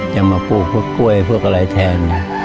จะมาปลูกพวกกล้วยพวกอะไรแทน